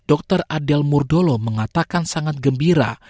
dr adel murdolo mengatakan sangat gembira